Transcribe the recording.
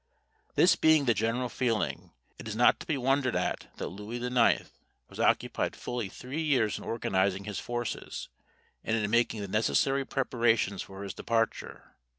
This being the general feeling, it is not to be wondered at that Louis IX. was occupied fully three years in organising his forces, and in making the necessary preparations for his departure.